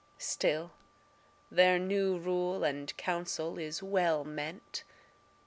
Still their new rule and council is well meant.